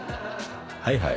「はいはい」？